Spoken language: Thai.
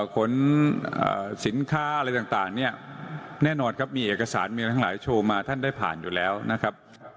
ขนสินค้าอะไรต่างเนี่ยแน่นอนครับมีเอกสารมีอะไรทั้งหลายโชว์มาท่านได้ผ่านอยู่แล้วนะครับ